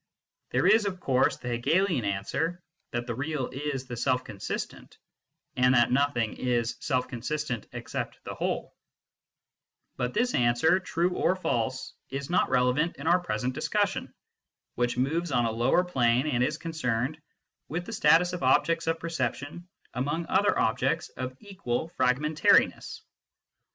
There is of course the Hegelian answer, that the real is the self consistent and that noth ing is self consistent except the Whole ; but this answer, true or false, is not relevant in our present discussion, which moves on a lower plane and is concerned with the status of objects of perception among other objects of equal fragmentariness.